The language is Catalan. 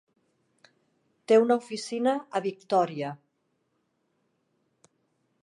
Té una oficina a Victoria.